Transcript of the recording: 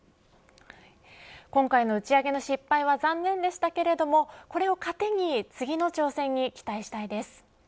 今回の打ち上げの失敗は残念でしたがこれを糧に次の挑戦に期待したいです。